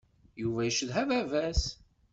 Yuba icedha baba-s.